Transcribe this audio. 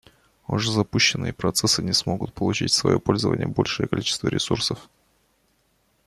Уже запущенные процессы не смогут получить в свое пользование большее количество ресурсов